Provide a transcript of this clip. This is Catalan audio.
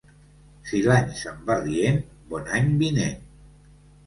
Si l'any se'n va rient, bon any vinent.